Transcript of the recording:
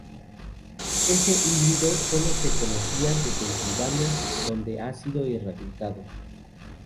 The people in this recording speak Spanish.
Ese híbrido sólo se conocía de Pennsylvania, donde ha sido erradicado.